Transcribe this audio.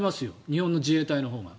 日本の自衛隊のほうが。